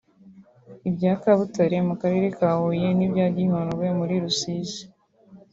ibya Kabutare mu Karere ka Huye n’ibya Gihundwe muri Rusizi